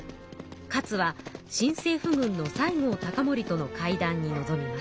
勝は新政府軍の西郷隆盛との会談に臨みます。